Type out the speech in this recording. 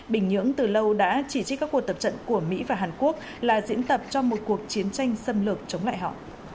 bình nhưỡng từ lâu đã chỉ trích các cuộc tập trận của mỹ và hàn quốc là diễn tập cho một cuộc chiến tranh xâm lược chống lại họ